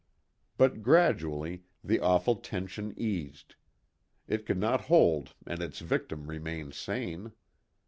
But gradually the awful tension eased. It could not hold and its victim remain sane.